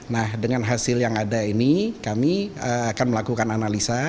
nah dengan hasil yang ada ini kami akan melakukan analisa